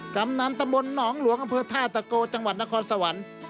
กำนันตะบนหนองหลวงอำเภอท่าตะโกจังหวัดนครสวรรค์